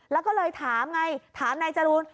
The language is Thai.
แล้วก็เลยถามไงถามนายจรูน